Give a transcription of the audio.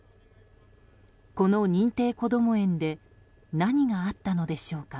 この認定こども園で何があったのでしょうか。